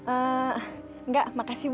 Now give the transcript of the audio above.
eh enggak makasih bu